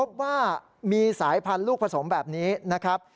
พบว่ามีสายพันธุ์ลูกผสมแบบนี้นะครับ